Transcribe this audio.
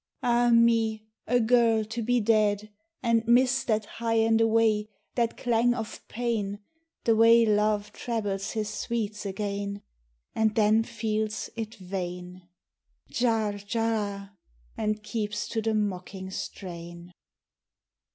Ah me, a girl to be dead, and miss That high and away, that clang of pain, The way Love trebles his sweets again, And then feels it vain, Jarjarral and keeps to the mocking strain!